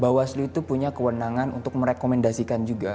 bawaslu itu punya kewenangan untuk merekomendasikan juga